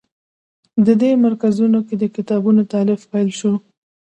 په دې مرکزونو کې د کتابونو تألیف پیل شو.